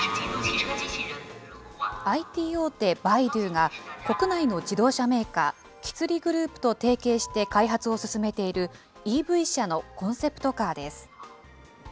ＩＴ大手、百度が国内の自動車メーカー、吉利グループと提携して開発を進めているＥＶ車のコンセプトカーです。